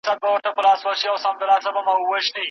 ماشوم وږی، مور زخمي ده پلار یې مړ دی